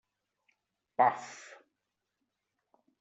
Paf!